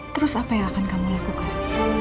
terus apa yang akan kamu lakukan